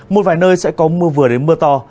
một vài nơi sẽ có mưa vừa đến mưa to